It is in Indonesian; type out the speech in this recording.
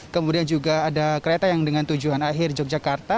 kemudian juga ada kereta yang dengan tujuan akhir yogyakarta